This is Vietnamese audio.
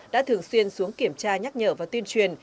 đã thường xuyên xuống kiểm tra nhắc nhở và tuyên truyền